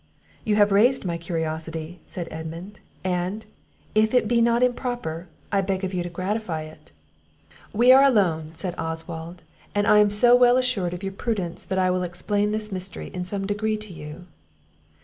"You have raised my curiosity," said Edmund; "and, if it be not improper, I beg of you to gratify it." "We are alone," said Oswald, "and I am so well assured of your prudence, that I will explain this mystery in some degree to you."